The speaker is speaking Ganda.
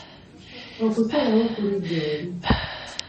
Okusalawo kuli gy’oli.